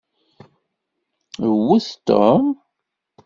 Wet Tom!